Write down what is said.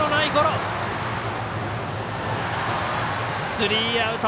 スリーアウト。